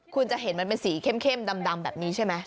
คุณจะเห็นมันเป็นสีเข้มดำแบบนี้ใช่ไหม